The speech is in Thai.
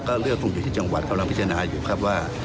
ก็เลือกตรงที่จังหวัดเขาลองพิจารณาอยู่ครับว่า